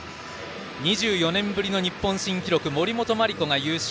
２４年ぶりの日本新記録森本麻里子が優勝。